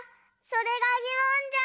それが疑問ぢゃ！